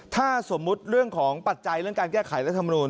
ถ้าสมมุติเรื่องของปัจจัยเรื่องการแก้ไขรัฐมนูล